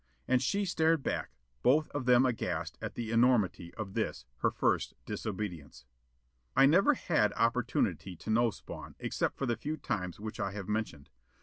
And she stared back, both of then aghast at the enormity of this, her first disobedience. I never had opportunity to know Spawn, except for the few times which I have mentioned.